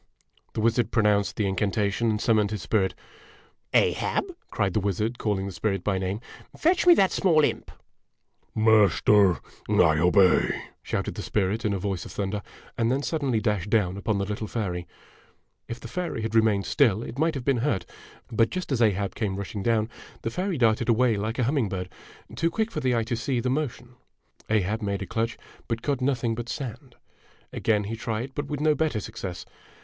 The wizard pronounced the in cantation and sum moned his spirit. "Ahab," cried the wizard, calling the spirit by name, " fetch me that small imp !" 44 IMAGINOTIONS " Master, I obey !" shouted the spirit in a voice of thunder, and then suddenly dashed down upon the little fairy. If the fairy had remained still it might have been hurt ; but, just as Ahab came rushing down, the fairy darted away like a humming bird, too quick for the eye to see the motion. Ahab made a clutch, but caught nothing but sand. Again he tried, but with no better success.